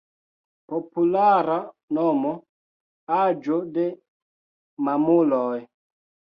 Populara nomo: Aĝo de Mamuloj.